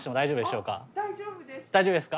大丈夫ですか？